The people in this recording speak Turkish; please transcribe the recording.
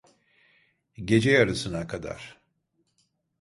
Gece yarısına kadar…